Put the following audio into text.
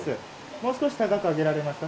もう少し高く上げられますか？